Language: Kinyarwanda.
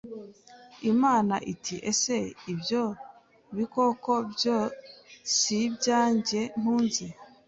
Imana iti Ese ibyo bikoko byo si ibyanjye ntunze